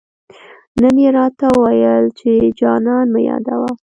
نن يې راته وويل، چي جانان مه يادوه